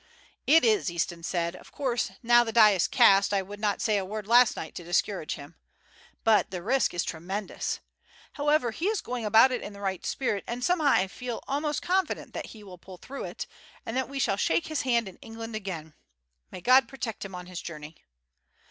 "It is," Easton said. "Of course now the die is cast I would not say a word last night to discourage him; but the risk is tremendous. However he is going about it in the right spirit, and somehow I feel almost confident that he will pull through it, and that we shall shake his hand in England again. May God protect him on his journey!"